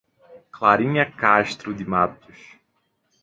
Clarinha Castro de Matos